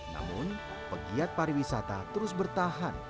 namun pegiat pariwisata terus bertahan